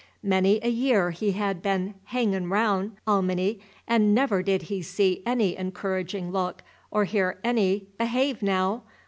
Many a year he had been "hangin' 'raoun'" Alminy, and never did he see any encouraging look, or hear any "Behave, naow!"